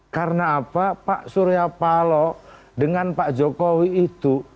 karena apa pak surya palo dengan pak jokowi itu